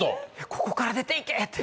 ここから出ていけって。